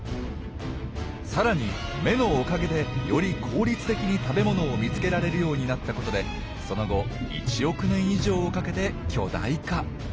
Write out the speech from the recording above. さらに眼のおかげでより効率的に食べ物を見つけられるようになった事でその後１億年以上をかけて巨大化！